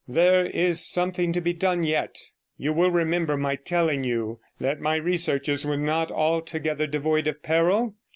'There is something to be done yet; you will remember my telling you that my researches were not altogether devoid of peril?